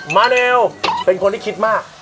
มาเร็วเป็นคนที่คิดมาก